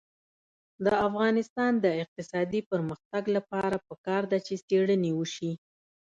د افغانستان د اقتصادي پرمختګ لپاره پکار ده چې څېړنې وشي.